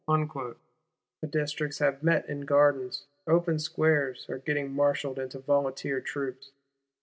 The Districts have met in gardens, open squares; are getting marshalled into volunteer troops.